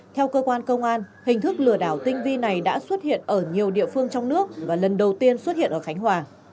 theo cơ quan công an hình thức lừa đảo tinh vi này đã xuất hiện ở nhiều địa phương trong nước và lần đầu tiên xuất hiện ở khánh hòa